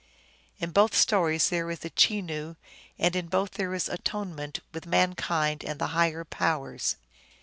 In both stories there is a " Chenoo," and in both there is atonement with mankind and the higher powers.